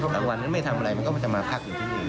กลางวันนั้นไม่ทำอะไรมันก็จะมาพักอยู่ที่นี่